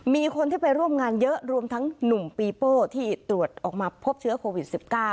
มีคนที่ไปร่วมงานเยอะรวมทั้งหนุ่มปีโป้ที่ตรวจออกมาพบเชื้อโควิด๑๙